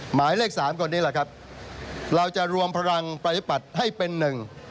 หมายเลข๓ก่อนนี้ล่ะครับเราจะรวมพลังปฏิบัติให้เป็นหนึ่ง